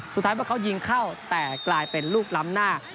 สุดท้ายว่าเขายิงเข้าแต่กลายเป็นลูกล้ำหน้า